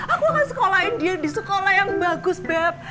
aku akan sekolahin dia di sekolah yang bagus bab